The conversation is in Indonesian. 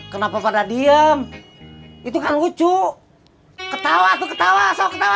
kenapa pada diem itu kan lucu ketawa tuh ketawa sok ketawa